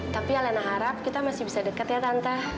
tapi alena harap kita masih bisa deket ya tante